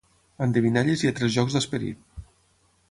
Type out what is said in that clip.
Endevinalles i altres jocs d'esperit.